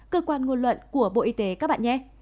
cơ quan ngôn luận của bộ y tế các bạn nghe